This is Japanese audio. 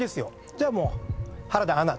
じゃあもう原田アナ